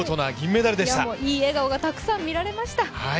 いい笑顔がたくさん見られました。